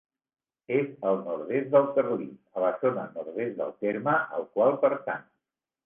És al nord-est del Carlit, a la zona nord-est del terme al qual pertany.